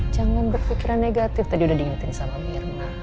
jangan berpikiran negatif tadi udah diingetin sama mir